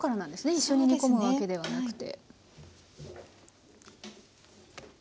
一緒に煮込むわけではなくて。